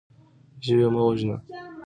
ژوی مه وژنه.